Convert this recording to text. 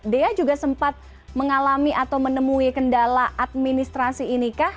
dea juga sempat mengalami atau menemui kendala administrasi ini kah